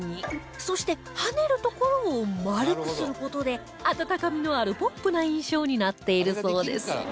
そして跳ねる所を丸くする事で温かみのあるポップな印象になっているそうです